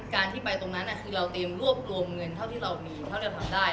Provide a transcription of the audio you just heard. การที่ไปตรงนั้นคือเราเตรียมรวบรวมเงินเท่าที่เรามีเท่าจะทำได้